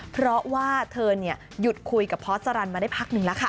เพราะว่าเธอหยุดคุยกับพอสรันมาได้พักนึงแล้วค่ะ